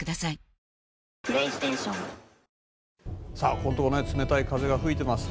本当に冷たい風が吹いています。